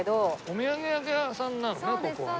お土産屋さんなのね